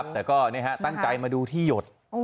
แต่ก็ตั้งใจมาดูที่หยด